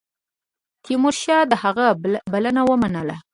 تیمورشاه د هغه بلنه ومنله.